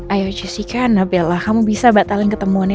ayo jessykan abel lah kamu bisa batalin ketemuannya